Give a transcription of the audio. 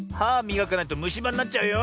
みがかないとむしばになっちゃうよ。